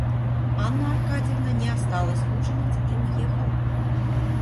Анна Аркадьевна не осталась ужинать и уехала.